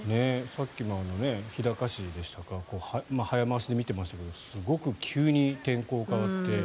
さっきも日高市でしたか早回しで見てましたがすごく急に天候が変わって。